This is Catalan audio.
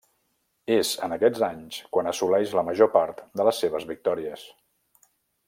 És en aquests anys quan assoleix la major part de les seves victòries.